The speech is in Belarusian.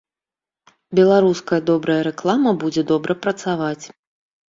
Беларуская добрая рэклама будзе добра працаваць.